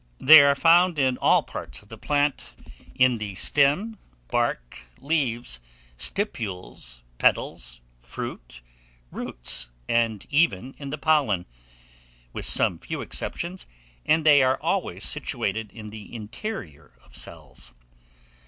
They are found in all parts of the plant, in the stem, bark, leaves, stipules, petals, fruit, roots, and even in the pollen, with some few exceptions, and they are always situated in the interior of cells.